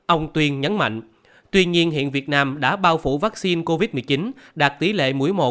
ông tuyên nhấn mạnh tuy nhiên hiện việt nam đã bao phủ vaccine covid một mươi chín đạt tỷ lệ mũi một